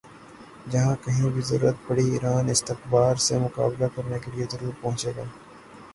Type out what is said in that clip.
جہاں کہیں بھی ضرورت پڑی ایران استکبار سے مقابلہ کرنے کے لئے ضرور پہنچے گا